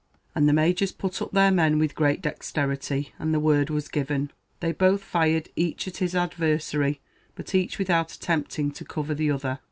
And the Majors put up their men with great dexterity, and the word was given. They both fired, each at his adversary, but each without attempting to cover the other.